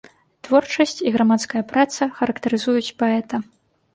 Творчасць і грамадская праца характарызуюць паэта.